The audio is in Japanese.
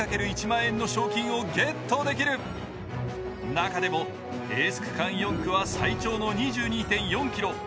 中でもエース区間４区は最長の２２．４ｋｍ。